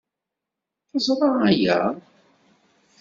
Teẓra aya?